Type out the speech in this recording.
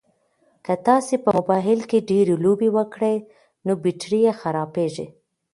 که تاسي په موبایل کې ډېرې لوبې وکړئ نو بېټرۍ یې خرابیږي.